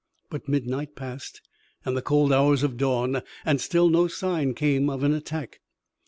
But midnight passed, and the cold hours of dawn, and still no sign came of an attack.